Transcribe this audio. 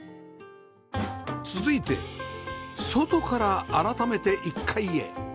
続いて外から改めて１階へ